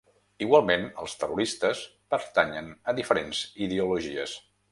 Igualment els terroristes pertanyen a diferents ideologies.